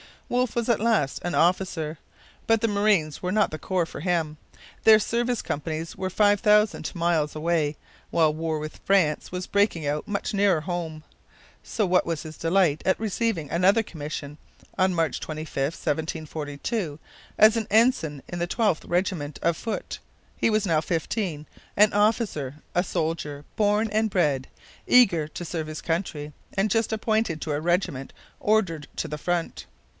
Wolfe was at last an officer. But the Marines were not the corps for him. Their service companies were five thousand miles away, while war with France was breaking out much nearer home. So what was his delight at receiving another commission, on March 25, 1742, as an ensign in the 12th Regiment of Foot! He was now fifteen, an officer, a soldier born and bred, eager to serve his country, and just appointed to a regiment ordered to the front!